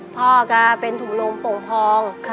พ่อก็เป็นถุงลมโป่งพอง